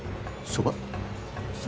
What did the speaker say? そば？